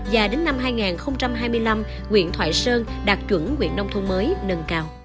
và đến năm hai nghìn hai mươi năm nguyện thoại sơn đạt chuẩn nông thông mới nâng cao